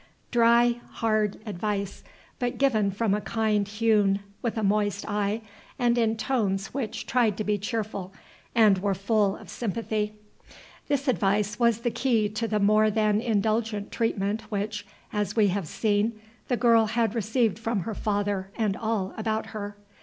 Dry, hard advice, but given from a kind hewn, with a moist eye, and in tones which tried to be cheerful and were full of sympathy. This advice was the key to the more than indulgent treatment which, as we have seen, the girl had received from her father and all about her.